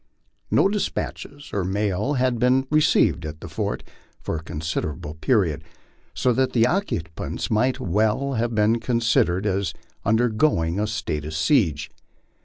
No despatches or mail had been re ceived at the fort for a considerable period, so that the occupants might well have been considered as undergoing a state of siege.